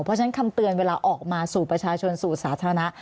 เพราะฉะนั้นคำเตือนเวลาออกมาสู่ประชาชนสู่สาธารณะ